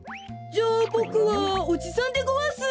じゃあボクはおじさんでごわす。